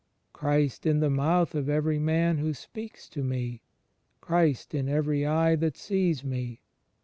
"Christ in the mouth of every man who speaks to me. Christ in every eye that sees me.